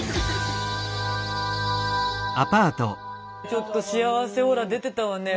ちょっと幸せオーラ出てたわね。